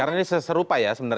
karena ini serupa ya sebenarnya